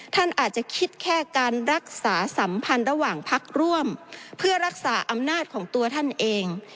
ท่านอาจจะคิดแค่การรักษาสัมพันธ์ระหว่างพักร่วมเพื่อรักษาอำนาจของตัวท่านเอง